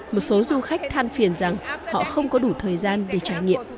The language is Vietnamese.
một số du khách than phiền rằng họ không có đủ thời gian để trải nghiệm